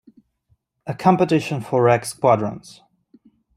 A competition for Recce squadrons.